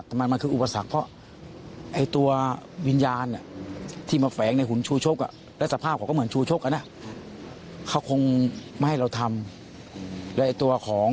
ทำไมมันคืออุปสรรค